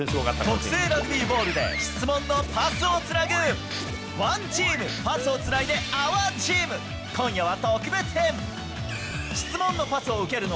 特製ラグビーボールで質問のパスをつなぐ、ＯＮＥＴＥＡＭ、パスをつないでＯＵＲＴＥＡＭ、今夜は特別編。